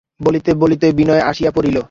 বলিতে বলিতে বিনয় আসিয়া পড়িল।